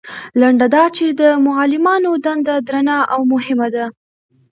لنډه دا چې د معلمانو دنده درنه او مهمه ده.